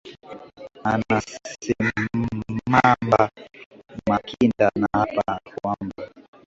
ana semamba makinda naapa kwamba